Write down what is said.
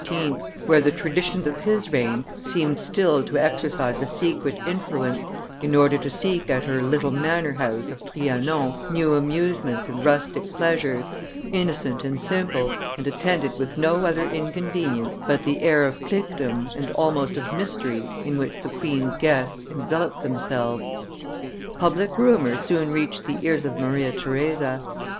where the traditions of his reign seemed still to exercise a secret influence, in order to seek at her little manor house of Trianon new amusements and rustic pleasures, innocent and simple, and attended with no other inconvenience but the air of cliquedom and almost of mystery in which the queen's guests enveloped themselves. Public rumor soon reached the ears of Maria Theresa.